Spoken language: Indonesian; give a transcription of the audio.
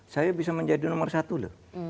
saya bisa menjadi nomor satu loh